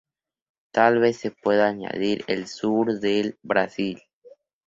Tal vez se pueda añadir el sur del Brasil.